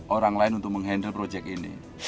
orang lain untuk menghandle project ini